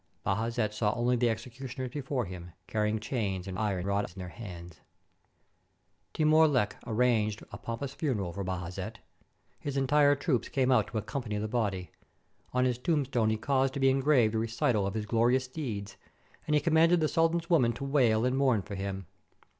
Bajazet saw only the executioners before him, carrying chains and iron rods in their hands ! Timur Lenk arranged a pompous funeral for Bajazet. His entire troops came out to accompany the body. On his tombstone he caused to be engraved a recital of his glorious deeds, and he commanded the sultan's women to wail and mourn for him.